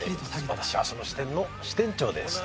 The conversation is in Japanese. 私はその支店の支店長でですね